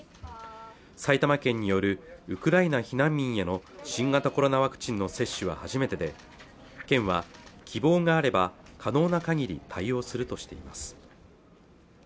埼玉県によるウクライナ避難民への新型コロナワクチンの接種は初めてで県は希望があれば可能な限り対応するとしています